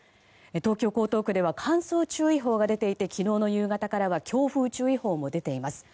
東京・江東区では乾燥注意報が出ていて昨日の夕方からは強風注意報も出ています。